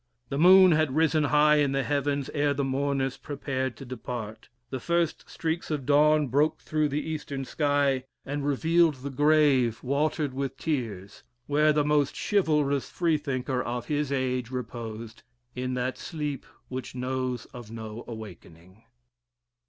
The moon had risen high in the heavens ere the mourners prepared to depart the first streaks of dawn broke through the Eastern sky, and revealed the grave watered with tears, where the most chivalrous Freethinker of his age reposed, in that sleep which knows of no awakening.